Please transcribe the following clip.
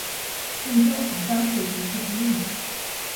应天府乡试第四十一名。